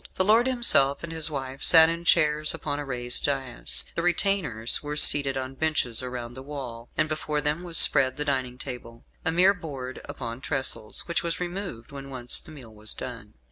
The lord himself and his wife sat in chairs upon a raised daïs. The retainers were seated on benches around the wall, and before them was spread the dining table a mere board upon trestles which was removed when once the meal was done.